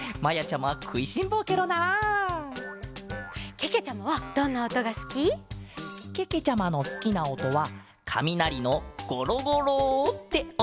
けけちゃまはどんなおとがすき？けけちゃまのすきなおとはかみなりのゴロゴロっておとケロ！